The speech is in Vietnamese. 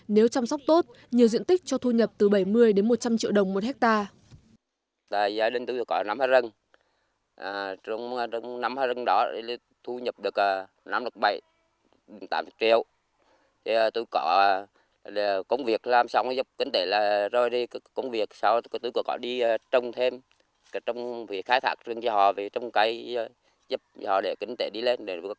nếu chăm sóc tốt nhiều diện tích cho thu nhập từ bảy mươi một trăm linh triệu đồng một hectare